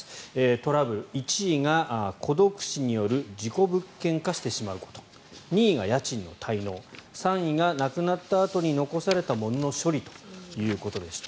トラブル１位が孤独死による事故物件化してしまうこと２位が家賃の滞納３位が亡くなったあとに残されたものの処理ということでした。